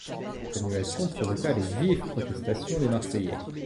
Cette annulation provoqua les vives protestations des Marseillais.